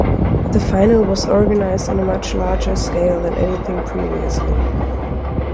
The final was organised on a much larger scale than anything previously.